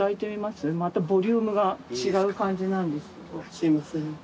すいません。